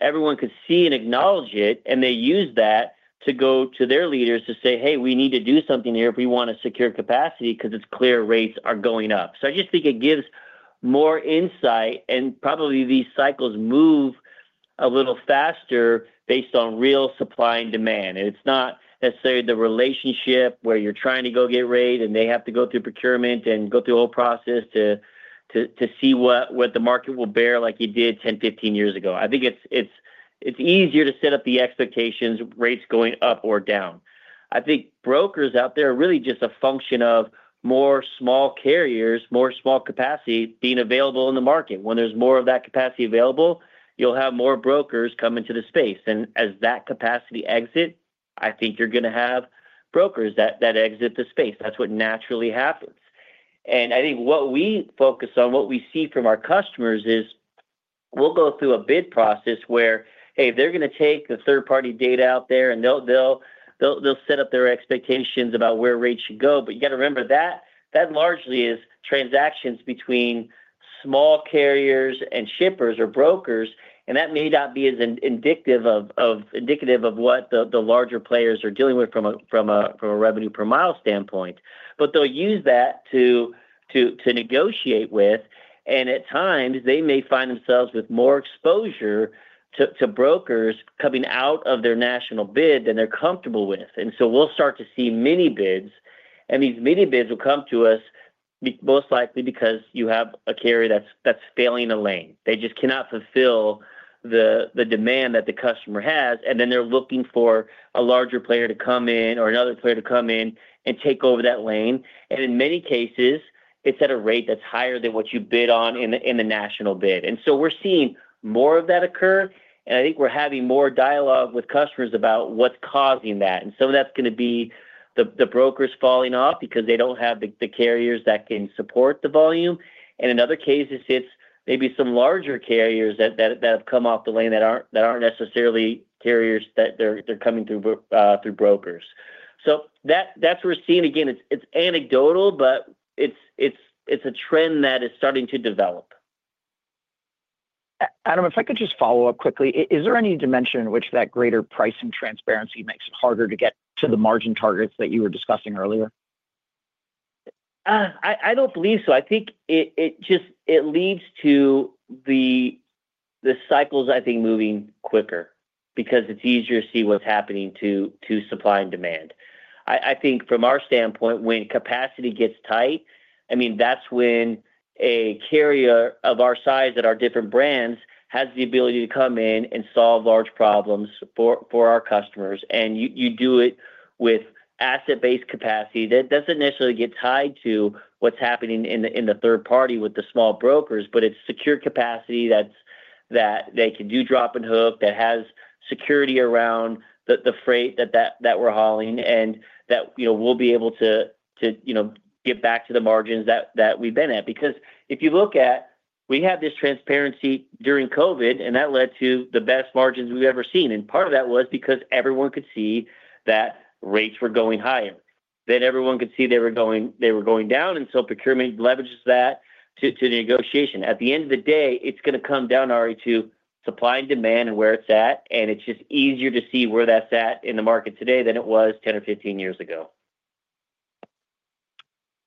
everyone could see and acknowledge it and they use that to go to their leaders to say, hey, we need to do something here if we want to secure capacity because it's clear rates are going up. I just think it gives more insight and probably these cycles move a little faster based on real supply and demand. It's not necessarily the relationship where you're trying to go get rate and they have to go through procurement and go through the whole process to see what the market will bear like you did 10 years-15 years ago. I think it's easier to set up the expectations, rates going up or down. I think brokers out there are really just a function of more small carriers, more small capacity being available in the market. When there's more of that capacity available, you'll have more brokers come into the space. As that capacity exits, I think you're going to have brokers that exit the space. That's what naturally happens and I think what we focus on, what we see from our customers is we'll go through a bid process where, hey, they're going to take the third party data out there and they'll set up their expectations about where rates should go. You got to remember that largely is transactions between small carriers and shippers or brokers. That may not be as indicative of what the larger players are dealing with from a revenue per mile standpoint. They'll use that to negotiate with. At times they may find themselves with more exposure to brokers coming out of their national bid than they're comfortable with. We'll start to see mini bids, and these mini bids will come to us most likely because you have a carrier that's failing a lane, they just cannot fulfill the demand that the customer has. They're looking for a larger player to come in or another player to come in and take over that lane. In many cases it's at a rate that's higher than what you bid on in the national bid. We're seeing more of that occur, and I think we're having more dialogue with customers about what's causing that. Some of that's going to be the brokers falling off because they don't have the carriers that can support the volume. In other cases it's maybe some larger carriers that have come off the lane that aren't necessarily carriers that they're coming through, through brokers. We're seeing again, it's anecdotal, but it's a trend that is starting to develop. Adam, if I could just follow up quickly, is there any dimension in which that greater pricing transparency makes it harder? To get to the margin targets, that. You were discussing earlier? I don't believe so. I think it just leads to the cycles, I think, moving quicker because it's easier to see what's happening to supply and demand. I think from our standpoint, when capacity gets tight, that's when a carrier of our size that are different brands has the ability to come in and solve large problems for our customers. You do it with asset-based capacity that doesn't necessarily get tied to what's happening in the third party with the small brokers, but it's secure capacity that they can do drop and hook, that has security around the freight that we're hauling and that, you know, we'll be able to get back to the margins that we've been at. If you look at, we have this transparency during COVID and that led to the best margins we've ever seen. Part of that was because everyone could see that rates were going higher, then everyone could see they were going down. Procurement leverages that to the negotiation. At the end of the day, it's going to come down already to supply and demand and where it's at. It's just easier to see where that's at in the market today than it was 10 years-15 years ago.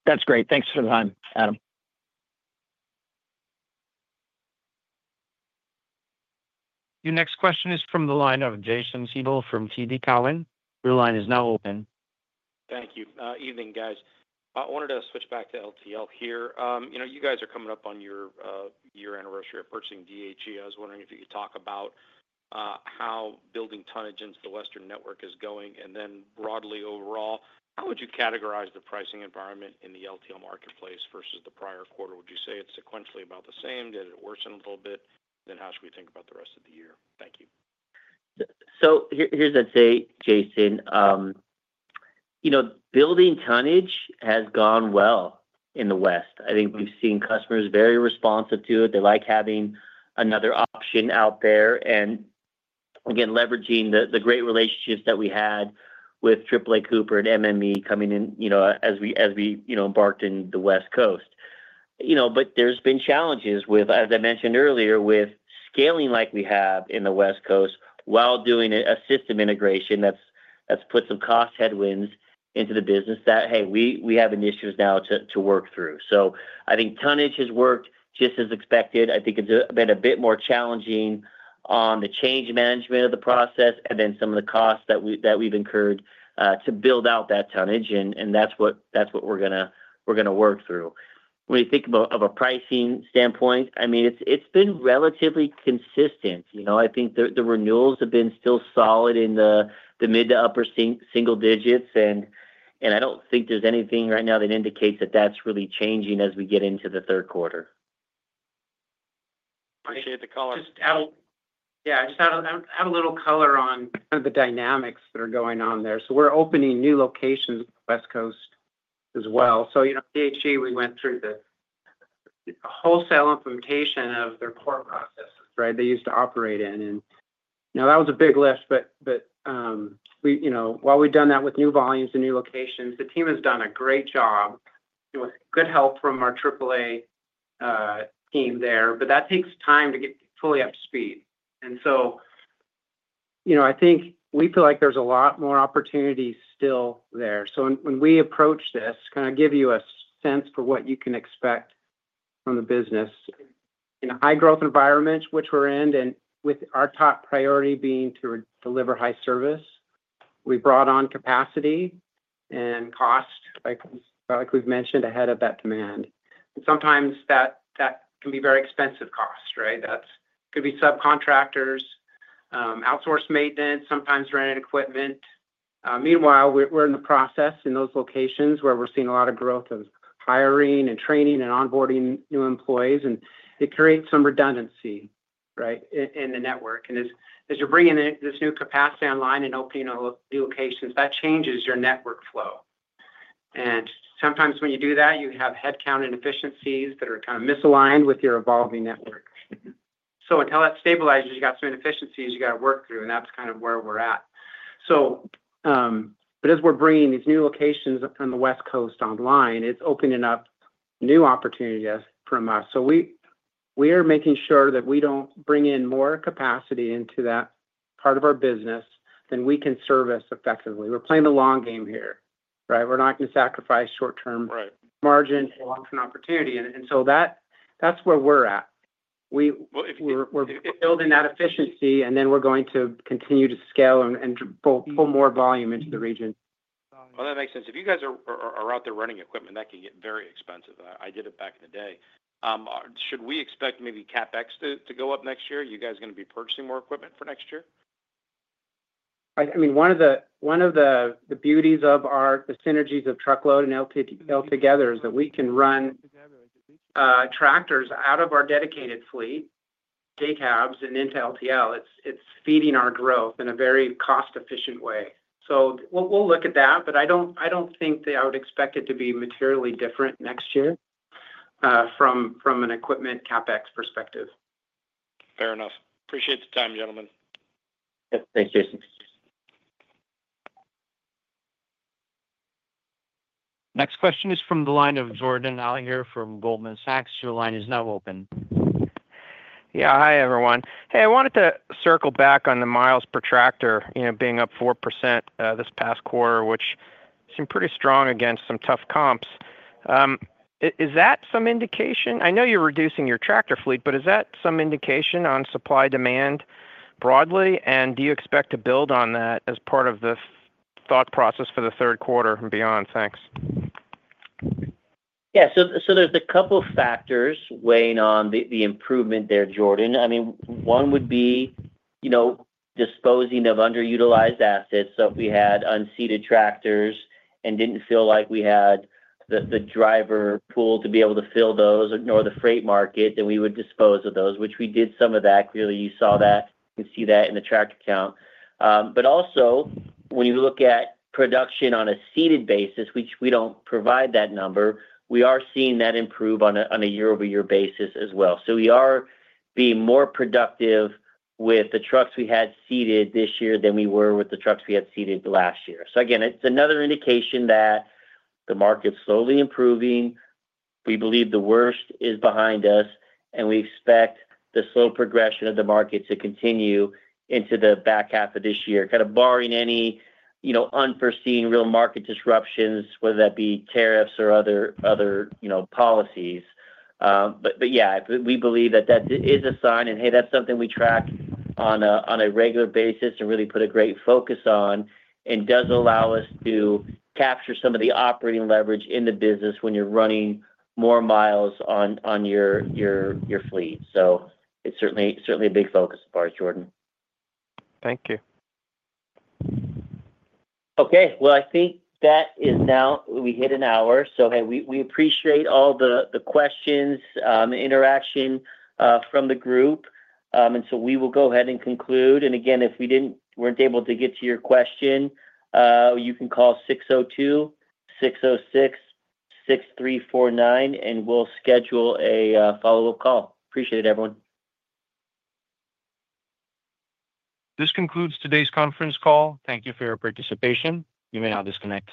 That's great. Thanks for the time, Adam. Your next question is from the line of Jason H. Seidl from TD Cowen. Your line is now open. Thank you. Evening guys. I wanted to switch back to Less-Than-Truckload here. You know, you guys are coming up. On your year anniversary of purchasing DHE. I was wondering if you could talk. About how building tonnage into the Western Network is going. Broadly overall, how would you. Categorize the pricing environment in the Less-Than-Truckload (LTL). Marketplace versus the prior quarter? Would you say it's sequentially about the same? Did it worsen a little bit? How should we think about the. Rest of the year? Thank you. Here's, I'd say, Jason, building tonnage has gone well in the West. I think we've seen customers very responsive to it. They like having another option out there. Again, leveraging the great relationships that we had with AAA Cooper and MME coming in as we embarked in the West Coast. There's been challenges, as I mentioned earlier, with scaling like we have in the West Coast. While doing a system integration, that's put some cost headwinds into the business that we have initiatives now to work through. I think tonnage has worked just as expected. It's been a bit more challenging on the change management of the process and then some of the costs that we've incurred to build out that tonnage. That's what we're going. We're going to work through. When you think about, from a pricing standpoint, it's been relatively consistent. I think the renewals have been still solid in the mid to upper single digits. I don't think there's anything right now that indicates that's really changing as we get into the third quarter. Appreciate the color. Yeah, just add a little color on the dynamics that are going on there. We're opening new locations West Coast as well. You know, DHE, we went through this, a wholesale implementation of their core processes. Right. They used to operate in, and now. That was a big lift. We, you know, while we've done that with new volumes and new locations, the team has done a great job with good help from our AAA team there. That takes time to get fully up to speed and you know, I think we feel like there's a lot more opportunities still there. When we approach this, kind of give you a sense for what you can expect from the business in a high growth environment which we're in. With our top priority being to deliver high service, we brought on capacity and cost like we've mentioned, ahead of that demand. Sometimes that can be very expensive cost. Right. That could be subcontractors, outsource maintenance, sometimes rented equipment. Meanwhile, we're in the process in those locations where we're seeing a lot of growth of hiring and training and onboarding new employees and it creates some redundancy in the network. As you're bringing this new capacity online and opening new locations, that changes your network flow. Sometimes when you do that you have headcount inefficiencies that are kind of misaligned with your evolving network. Until that stabilizes, you got some inefficiencies you got to work through and that's kind of where we're at. So. As we're bringing these new locations on the West Coast online, it's opening up new opportunities for us. We are making sure that we don't bring in more capacity into that part of our business than we can service effectively. We're playing the long game here. We're not going to sacrifice short term margin opportunity, and that's where we're at. We're building that efficiency, and then we're going to continue to scale and pull more volume into. That makes sense if you guys. Are out there running equipment that can get very expensive. I did it back in the day. Should we expect maybe CapEx to go up next year? You guys going to be purchasing more equipment for next year? I mean, one of the beauties of our, the synergies of truckload and LTL together is that we can run tractors out of our dedicated fleet day cabs and into LTL. It's feeding our growth in a very cost efficient way. We'll look at that. I don't think that I would expect it to be materially different next year from an equipment CapEx perspective. Fair enough. Appreciate the time, gentlemen. Thanks, Jason. Next question is from the line of Jordan Robert Alliger from Goldman Sachs Group, Inc. Your line is now open. Hi everyone. I wanted to circle back on the miles per tractor, you know, being up 4% this past quarter, which seemed pretty strong against some tough comps. Is that some indication, I know you're reducing your tractor fleet, but is that some indication on supply demand broadly and do you expect to build on that as part of the thought process for the third quarter and beyond? Thanks. Yeah, so there's a couple factors weighing on the improvement there, Jordan. I mean, one would be disposing of underutilized assets. If we had unseated tractors and didn't feel like we had the driver pool to be able to fill those, nor the freight market, then we would dispose of those, which we did. Some of that, clearly you saw that, you see that in the tractor count. Also, when you look at production on a seated basis, which we don't provide that number, we are seeing that improve on a year-over-year basis as well. We are more productive with the trucks we had seated this year than we were with the trucks we had seated last year. It's another indication that the market's slowly improving. We believe the worst is behind us and we expect the slow progression of the market to continue into the back half of this year, barring any unforeseen real market disruptions, whether that be tariffs or other policies. We believe that is a sign and that's something we track on a regular basis and really put a great focus on. It does allow us to capture some of the operating leverage in the business when you're running more miles on your fleet. It's certainly a big focus of ours. Jordan. Thank you. Okay, I think that is now we hit an hour, so hey, we appreciate all the questions and interaction from the group, and we will go ahead and conclude. Again, if we weren't able to get to your question, you can call 602-606-6349 and we'll schedule a follow-up call. Appreciate it, everyone. This concludes today's conference call. Thank you for your participation. You may now disconnect.